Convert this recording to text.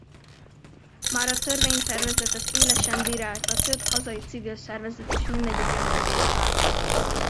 Már a törvénytervezetet élesen bírálta több hazai civil szervezet és mindegyik ellenzéki párt.